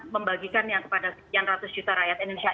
membagikannya kepada sekian ratus juta rakyat indonesia